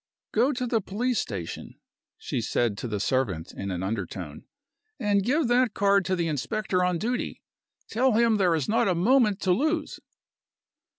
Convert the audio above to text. "Go to the police station," she said to the servant in an undertone, "and give that card to the inspector on duty. Tell him there is not a moment to lose."